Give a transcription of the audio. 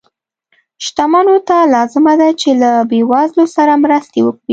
شتمنو ته لازمه ده چې له بې وزلو سره مرستې وکړي.